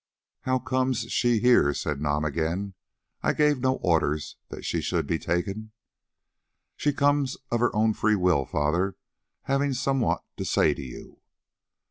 "How comes she here?" said Nam again. "I gave no orders that she should be taken." "She comes of her own free will, Father, having somewhat to say to you."